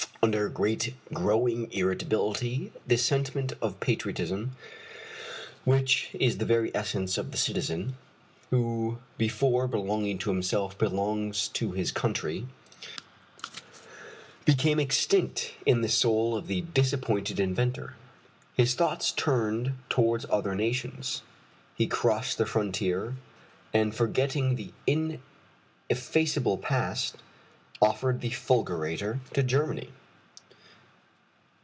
Under a growing irritability the sentiment of patriotism, which is the very essence of the citizen who before belonging to himself belongs to his country became extinct in the soul of the disappointed inventor. His thoughts turned towards other nations. He crossed the frontier, and forgetting the ineffaceable past, offered the fulgurator to Germany.